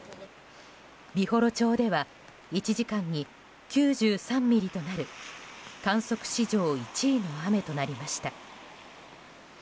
美幌町では１時間に９３ミリとなる観測史上１位の雨となりました。